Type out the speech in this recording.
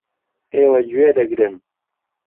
ئێوە گوێ دەگرن.